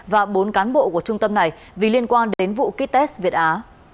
và bốn cán bộ của trung tâm này vì liên quan đến vụ ký test việt á